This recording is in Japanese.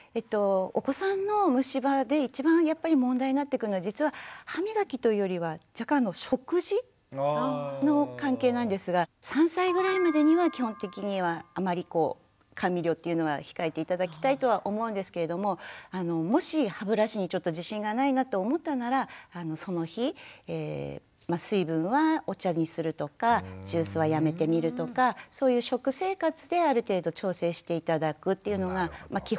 お子さんの虫歯で一番やっぱり問題になってくるのは実は歯みがきというよりは食事の関係なんですが３歳ぐらいまでには基本的にはあまりこう甘味料というのは控えて頂きたいとは思うんですけれどももし歯ブラシにちょっと自信がないなと思ったならその日水分はお茶にするとかジュースはやめてみるとかそういう食生活である程度調整して頂くっていうのが基本にはなります。